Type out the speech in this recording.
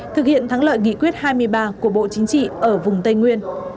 thực hiện thắng lợi nghị quyết hai mươi ba của bộ chính trị ở vùng tây nguyên